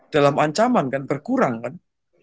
dalam ancaman kan berkurang kan